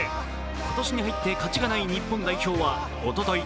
今年に入って勝ちがない日本代表はおととい